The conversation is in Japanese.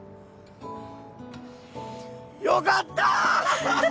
よかった！！